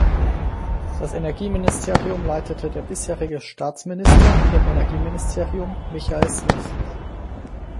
Das Energieministerium leitete der bisherige Staatsminister im Energieministerium Michael Smith.